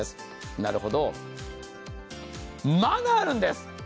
なるほど、まだあるんです。